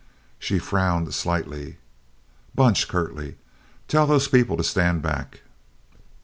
She frowned slightly. "Bunch," curtly, "tell those people to stand back."